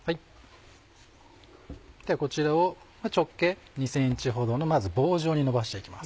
ではこちらを直径２ｃｍほどのまず棒状にのばして行きます。